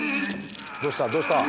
どうしたどうした？